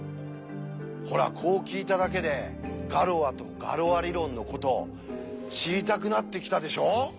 ほらこう聞いただけでガロアとガロア理論のこと知りたくなってきたでしょう？